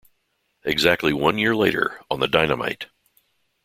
Exactly one year later, on the Dynamite!